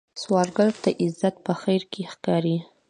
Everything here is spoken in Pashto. سوالګر ته عزت په خیر کې ښکاري